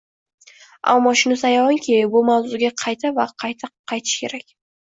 Ammo shunisi ayonki, bu mavzuga qayta va qayta qaytish kerak